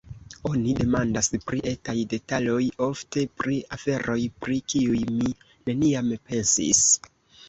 Oni demandas pri etaj detaloj, ofte pri aferoj, pri kiuj mi neniam pensis.